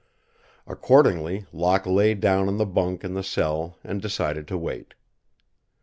Accordingly Locke lay down on the bunk in the cell and decided to wait.